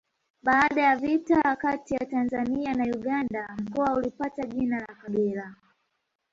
Baada ya vita kati ya Tanzania na Uganda mkoa ulipata jina la Kagera